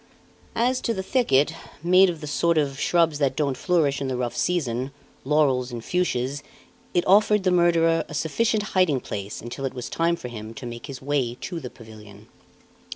As to the thicket, made of the sort of shrubs that don't flourish in the rough season laurels and fuchsias it offered the murderer a sufficient hiding place until it was time for him to make his way to the pavilion.